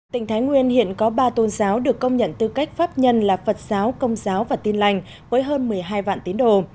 tỉnh thái nguyên hiện có ba tôn giáo được công nhận tư cách pháp nhân là phật giáo công giáo và tin lành với hơn một mươi hai vạn tín đồ